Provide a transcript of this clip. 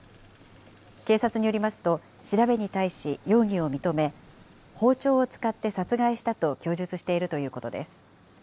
警察によりますと、調べに対し容疑を認め、包丁を使って殺害したと供述しているということです。